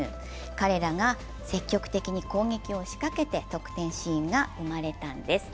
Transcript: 彼らが積極的に攻撃を仕掛けて得点シーンが生まれたんです。